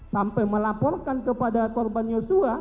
sampai melaporkan kepada korban yosua